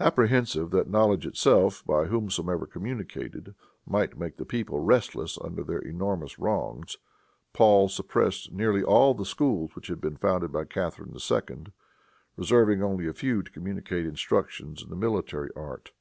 Apprehensive that knowledge itself, by whomsoever communicated, might make the people restless under their enormous wrongs, Paul suppressed nearly all the schools which had been founded by Catharine II., reserving only a few to communicate instruction in the military art.